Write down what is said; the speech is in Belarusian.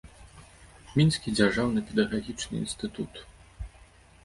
Мінскі дзяржаўны педагагічны інстытут.